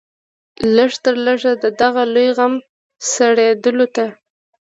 لږ تر لږه د دغه لوی غم سړېدلو ته.